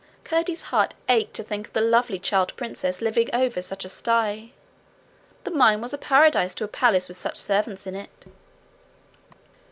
Curdie's heart ached to think of the lovely child princess living over such a sty. The mine was a paradise to a palace with such servants in it.